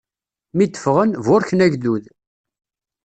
Mi d-ffɣen, burken agdud.